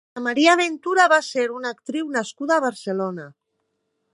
Ana María Ventura va ser una actriu nascuda a Barcelona.